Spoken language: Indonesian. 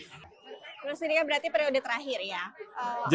terus ini kan berarti periode terakhir ya